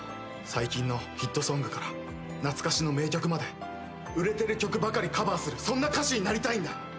最近のヒットソングから懐かしの名曲まで売れてる曲ばかりカバーするそんな歌手になりたいんだ。